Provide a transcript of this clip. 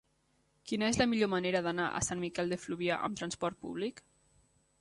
Quina és la millor manera d'anar a Sant Miquel de Fluvià amb trasport públic?